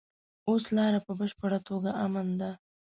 اوس لاره په بشپړه توګه امن ده.